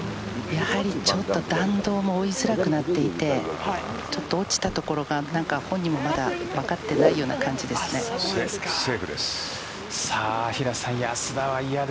やはり弾道も追いづらくなっていてちょっと落ちた所が本人もまだ分かっていないような平瀬さん